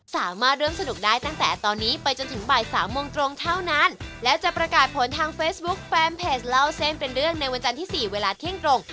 สามารถร่วมสนุกได้ตั้งแต่ตอนนี้ไปจนถึงบ่ายสามโมงตรงเท่านั้นและจะประกาศผลทางเฟซบุ๊คแฟนเพจเล่าเส้นเป็นเรื่องในวันจันทร์ที่สี่เวลาเที่ยงตรง